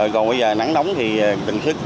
còn bây giờ nắng nóng thì đừng sức